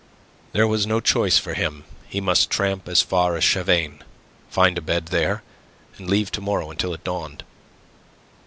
There was no choice for him; he must tramp as far as Chavagne, find a bed there, and leave to morrow until it dawned.